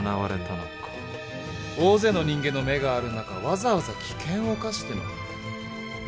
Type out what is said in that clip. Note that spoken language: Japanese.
大勢の人間の目がある中わざわざ危険を冒してまで？